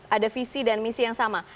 ada visi dan misi yang sama